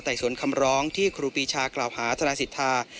สวนคำร้องที่ครูปีชากล่าวหาทนายสิทธา